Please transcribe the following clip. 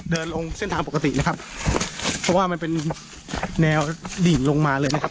เดินลงเส้นทางปกตินะครับเพราะว่ามันเป็นแนวดิ่งลงมาเลยนะครับ